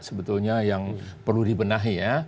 sebetulnya yang perlu dibenahi ya